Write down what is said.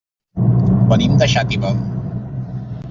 Venim de Xàtiva.